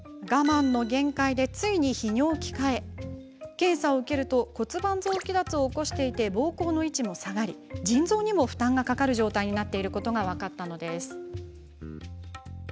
検査を受けると骨盤臓器脱を起こしていてぼうこうの位置も下がり腎臓にも負担がかかる状態になっていることが分かったのです。